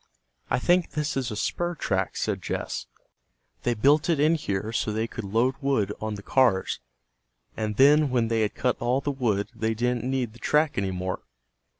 "I think this is a spur track," said Jess. "They built it in here so they could load wood on the cars, and then when they had cut all the wood they didn't need the track any more."